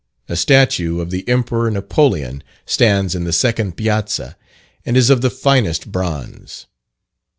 A statue of the Emperor Napoleon stands in the second piazza, and is of the finest bronze.